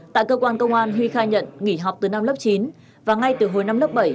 tại cơ quan công an huy khai nhận nghỉ học từ năm lớp chín và ngay từ hồi năm lớp bảy